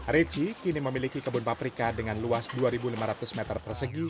richi kini memiliki kebun paprika dengan luas dua lima ratus meter persegi